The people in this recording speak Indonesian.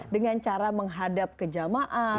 dengan cara menghadap ke jamaah